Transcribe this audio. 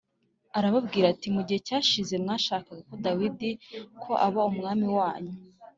arababwira ati “Mu gihe cyashize mwashakaga Dawidi ko aba umwami wanyu